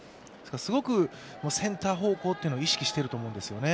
すごくセンター方向というのを意識していると思うんですよね。